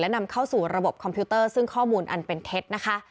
นำเข้าสู่ระบบคอมพิวเตอร์ซึ่งข้อมูลอันเป็นเท็จนะคะ